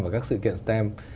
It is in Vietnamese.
và các sự kiện stem